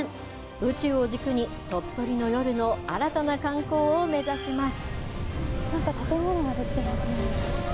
宇宙を軸に鳥取の夜の新たな観光を目指します。